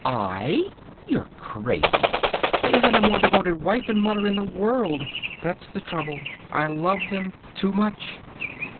"I! You're crazy! There isn't a more devoted wife and mother in the world. That's the trouble. I love them too much."